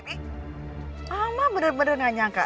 mama benar benar gak nyangka